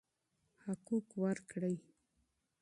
حقوق ورکړئ.